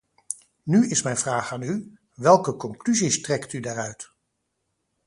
Nu is mijn vraag aan u: welke conclusies trekt u daaruit?